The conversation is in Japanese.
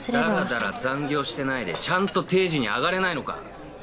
だらだら残業してないでちゃんと定時に上がれないのか？